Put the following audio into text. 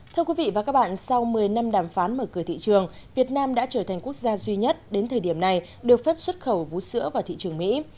thưa quý vị và các bạn sau một mươi năm đàm phán mở cửa thị trường việt nam đã trở thành quốc gia duy nhất đến thời điểm này được phép xuất khẩu vũ sữa vào thị trường mỹ